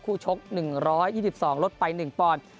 ชก๑๒๒ลดไป๑ปอนด์